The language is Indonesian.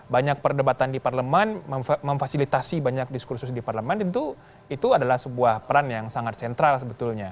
banyak perdebatan di parlemen memfasilitasi banyak diskursus di parlemen tentu itu adalah sebuah peran yang sangat sentral sebetulnya